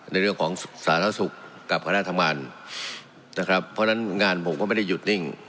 ในเรื่องของสาธารณสุขกับคณะทำงานนะครับเพราะฉะนั้นงานผมก็ไม่ได้หยุดนิ่ง